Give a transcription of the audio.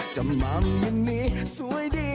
จำมัมยันนี้สวยดี